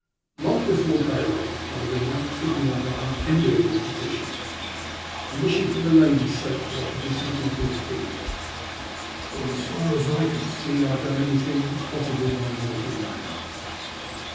LONQ before daylight I was awake, thinking of our unenviable position, and wishing for the ladies* Bakes that I could do something to improve it. But, as far as I could see, I had done everything that was possible by mortal man.